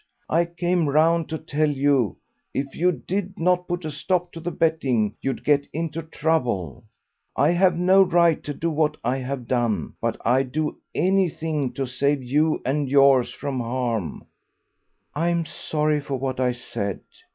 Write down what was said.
I came round to tell you if you did not put a stop to the betting you'd get into trouble. I have no right to do what I have done, but I'd do anything to save you and yours from harm." "I am sorry for what I said.